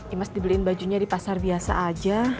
imas dibeliin bajunya di pasar biasa aja